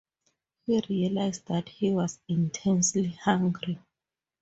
He realised that he was intensely hungry.